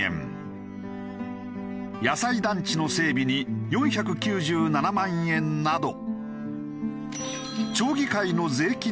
野菜団地の整備に４９７万円など。